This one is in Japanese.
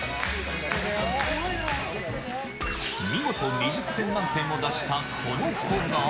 見事２０点満点を出したこの子が。